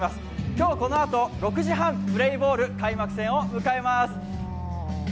今日このあと６時半、プレーボール、開幕戦を迎えます。